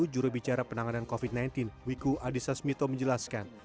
jurubicara penanganan covid sembilan belas wiku adhisa smito menjelaskan